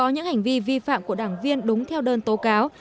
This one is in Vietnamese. những hành vi vi phạm của đảng viên đúng theo đơn tố cáo